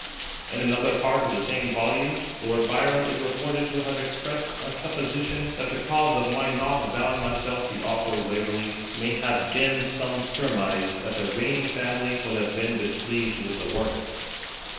In another part of the same volume Lord Byron is reported to have expressed a supposition that the cause of my not avowing myself the Author of Waverley may have been some surmise that the reigning family would have been displeased with the work.